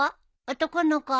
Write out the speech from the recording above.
男の子？